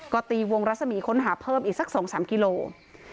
ก็ตีวงรัศมีค้นหาเพิ่มอีกสัก๒๓กิโลกรัม